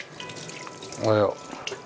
おはよう。